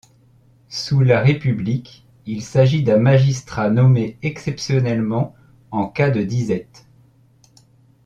Sous la République, il s'agit d'un magistrat nommé exceptionnellement, en cas de disette.